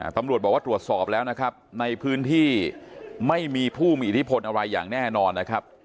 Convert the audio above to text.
ตำรวจบอกว่าตรวจสอบแล้วนะครับในพื้นที่ไม่มีผู้มีอิทธิพลอะไรอย่างแน่นอนนะครับ